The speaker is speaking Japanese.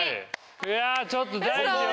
いやちょっと大事よ